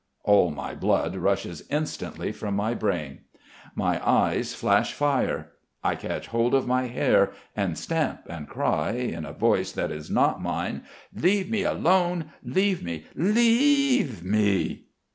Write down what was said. All my blood rushes instantly from my brain. My eyes flash fire. I catch hold of my hair, and stamp and cry, in a voice that is not mine: "Leave me alone, leave me, leave me...."